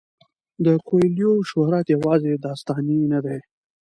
د کویلیو شهرت یوازې داستاني نه دی.